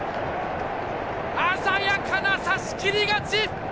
鮮やかな差しきり勝ち！